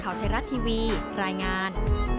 ข่าวไทยรัฐทีวีรายงาน